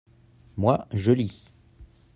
moi, je lis.